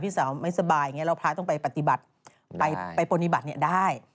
พี่สาวไม่สบายอย่างนี้พระต้องไปปฏิบัติไปปฏิบัติได้